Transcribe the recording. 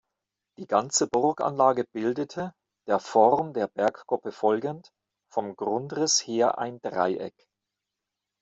Die ganze Burganlage bildete, der Form der Bergkuppe folgend, vom Grundriss her ein Dreieck.